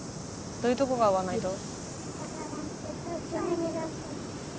どういうとこが合わないと？